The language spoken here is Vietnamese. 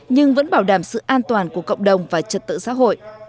nhưng vẫn bảo đảm sự an toàn của cộng đồng và trật tự xã hội